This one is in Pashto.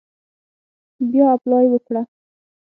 بیا اپلای وکړه.